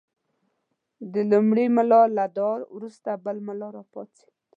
د لومړي ملا له دعا وروسته بل ملا راپاڅېد.